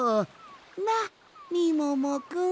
なっみももくん。